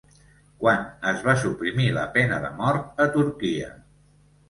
Quan es va suprimir la pena de mort a Turquia?